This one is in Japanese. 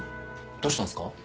どうしたんですか？